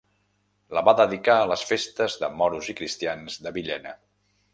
La va dedicar a les festes de moros i cristians de Villena.